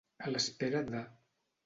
A l'espera de.